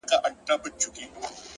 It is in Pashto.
هره لحظه د نوې پرېکړې فرصت دی!